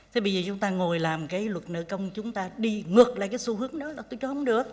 thế bây giờ chúng ta ngồi làm cái luật nợ công chúng ta đi ngược lại cái xu hướng đó